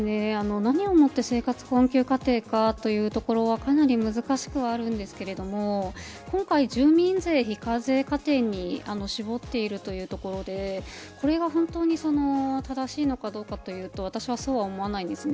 何をもって生活困窮家庭かというところはかなり難しくはあるんですが今回、住民税非課税家庭に絞っているというところでこれが本当に正しいのかというと私はそうは思わないんです。